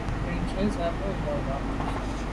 Benntùn be se’ ndù ba’ à kù fa.